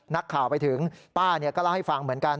นักข่าวไปถึงป้าก็เล่าให้ฟังเหมือนกัน